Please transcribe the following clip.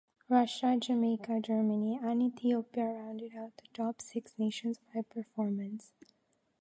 Russia, Jamaica, Germany and Ethiopia rounded out the top six nations by performance.